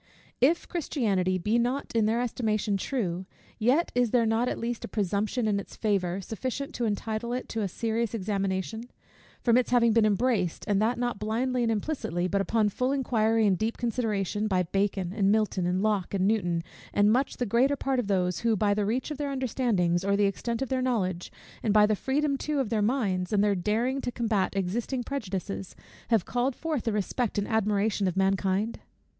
If Christianity be not in their estimation true, yet is there not at least a presumption in its favour, sufficient to entitle it to a serious examination; from its having been embraced, and that not blindly and implicitly, but upon full inquiry and deep consideration, by Bacon, and Milton, and Locke, and Newton, and much the greater part of those, who, by the reach of their understandings, or the extent of their knowledge, and by the freedom too of their minds, and their daring to combat existing prejudices, have called forth the respect and admiration of mankind?